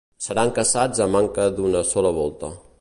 Seran caçats a manca d'una sola volta.